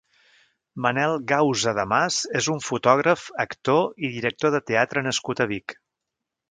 Manel Gausa de Mas és un fotògraf, actor i director de teatre nascut a Vic.